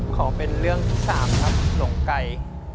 ขอเป็นเรื่องที่๓ครับหลงไก่